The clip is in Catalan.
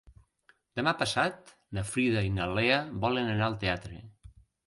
Demà passat na Frida i na Lea volen anar al teatre.